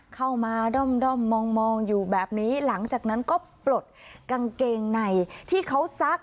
เข้ามาด้อมมองอยู่แบบนี้หลังจากนั้นก็ปลดกางเกงในที่เขาซัก